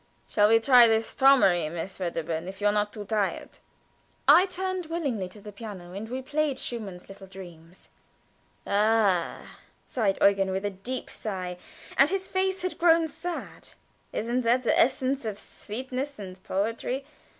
"Shall we try this 'Traumerei,' Miss Wedderburn, if you are not too tired?" I turned willingly to the piano, and we played Schumann's little "Dreams." "Ah," said Eugen, with a deep sigh (and his face had grown sad), "isn't that the essence of sweetness and poetry?